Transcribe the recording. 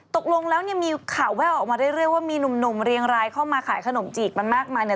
ตกลงแล้วเนี่ยมีข่าวแววออกมาเรื่อยว่ามีหนุ่มเรียงรายเข้ามาขายขนมจีบมันมากมายเนี่ย